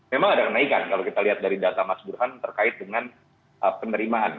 memang ada kenaikan kalau kita lihat dari data mas burhan terkait dengan penerimaan